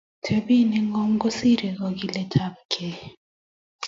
Tebi ne ngom kosirei kakilet tab gei